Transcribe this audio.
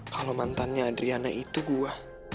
kalo mantannya adriana itu gua